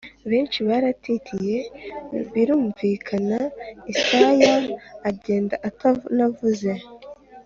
benshi baratitiye birumvikana, israel agenda atanavuze